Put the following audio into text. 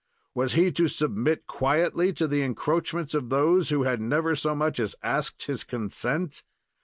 Was he to submit quietly to the encroachments of those who had never so much as asked his consent?